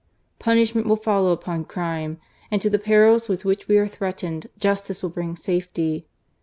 Punishment will follow upon crime, and to the perils with which we are threatened, justice will bring safety.